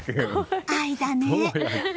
愛だね。